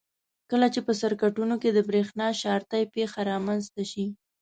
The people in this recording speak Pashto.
کله چې په سرکټونو کې د برېښنا شارټۍ پېښه رامنځته شي.